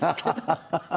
ハハハハ。